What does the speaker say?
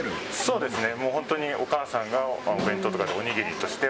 そうですね。